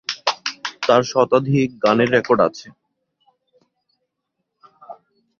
তার শতাধিক গানের রেকর্ড আছে।